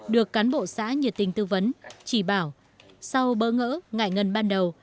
được cán bộ xã nhiệt tình tư vấn chỉ bảo sau bỡ ngỡ ngại ngần ban đầu